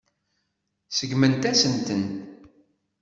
Seggment-asent-ten.